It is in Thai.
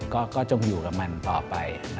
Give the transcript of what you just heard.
ก็จงอยู่กับมันต่อไป